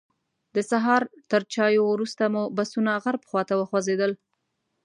د سهار تر چایو وروسته مو بسونه غرب خواته وخوځېدل.